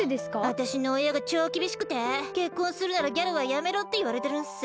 あたしのおやがちょうきびしくて結婚するならギャルはやめろっていわれてるんす。